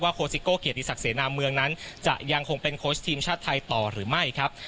โคสิโก้เกียรติศักดิเสนาเมืองนั้นจะยังคงเป็นโค้ชทีมชาติไทยต่อหรือไม่ครับ